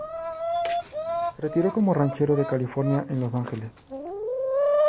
Se retiró como ranchero de California en Los Ángeles.